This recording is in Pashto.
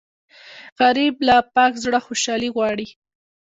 غریب له پاک زړه خوشالي غواړي